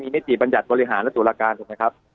นิติบัญญัติบริหารและตุลาการถูกไหมครับ